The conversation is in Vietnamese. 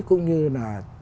cũng như là